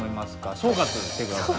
総括して下さい。